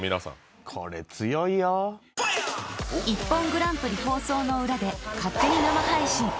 ［『ＩＰＰＯＮグランプリ』放送の裏で勝手に生配信］